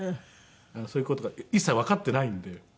そういう事が一切わかっていないんで。